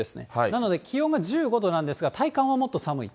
なので気温が１５度なんですが、体感はもっと寒い。